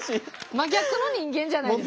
真逆の人間じゃないですか。